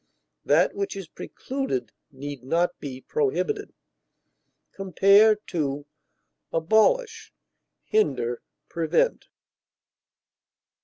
That which is precluded need not be prohibited. Compare ABOLISH; HINDER; PREVENT.